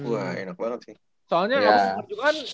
wah enak banget sih